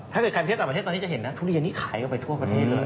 ถ้าเกิดใครไปเที่ยวต่างประเทศตอนนี้จะเห็นนะทุเรียนนี่ขายกันไปทั่วประเทศเลย